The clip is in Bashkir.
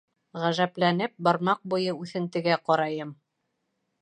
Ғәжәпләнеп, бармаҡ буйы үҫентегә ҡарайым.